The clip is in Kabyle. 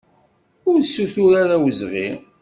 Ur ssutur ara awezɣi!